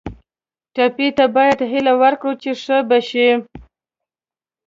ټپي ته باید هیله ورکړو چې ښه به شي.